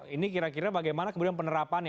ini kira kira bagaimana kemudian penerapan ya